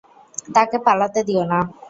তাকে পালাতে দিও না।